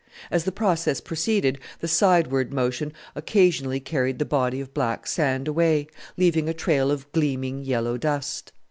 As the process proceeded the sideward motion occasionally carried the body of black sand away, leaving a trail of gleaming yellow dust.